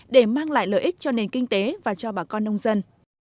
để mang lại lợi ích cho nền kinh tế và cho bà con nông dân